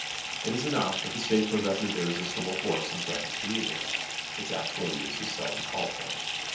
It is enough that the state possesses irresistible force and threatens to use it ; its actual use is seldom called for.